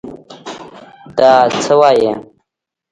دا څه وايې.